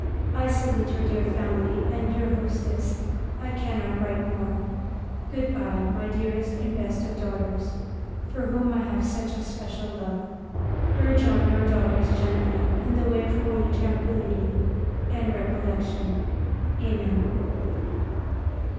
I salute your dear family and your hostess. I cannot write more. Good bye, my dearest and best of daughters, for whom I have such a special love. Urge on your daughters gently in the way of holy tranquillity and recollection. Amen.